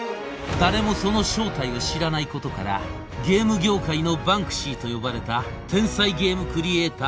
誰もその正体を知らないことからゲーム業界のバンクシーと呼ばれた天才ゲームクリエイター